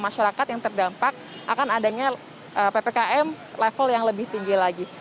masyarakat yang terdampak akan adanya ppkm level yang lebih tinggi lagi